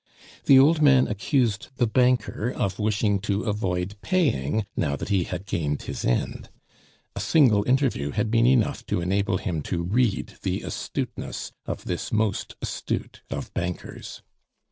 The old man accused the banker of wishing to avoid paying now that he had gained his end. A single interview had been enough to enable him to read the astuteness of this most astute of bankers.